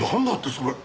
それ。